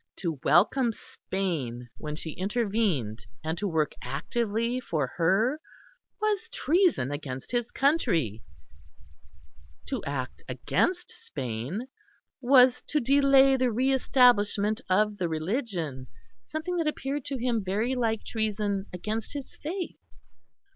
To welcome Spain when she intervened and to work actively for her, was treason against his country; to act against Spain was to delay the re establishment of the Religion something that appeared to him very like treason against his faith.